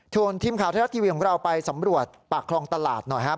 ส่วนทีมข่าวไทยรัฐทีวีของเราไปสำรวจปากคลองตลาดหน่อยครับ